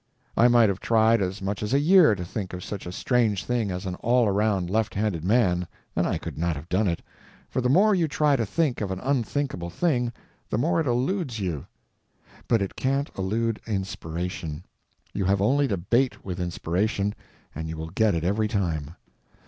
I might have tried as much as a year to think of such a strange thing as an all around left handed man and I could not have done it, for the more you try to think of an unthinkable thing the more it eludes you; but it can't elude inspiration; you have only to bait with inspiration and you will get it every time.